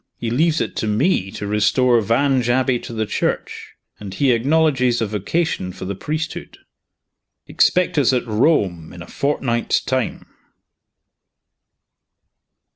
He leaves it to me to restore Vange Abbey to the Church; and he acknowledges a vocation for the priesthood. Expect us at Rome in a fortnight's time."